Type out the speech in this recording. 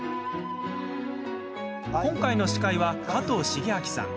今回の司会は、加藤シゲアキさん。